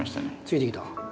ついてきた。